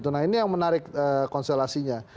nah ini yang menarik konstelasinya